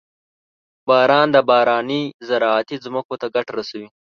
• باران د بارانۍ زراعتي ځمکو ته ګټه رسوي.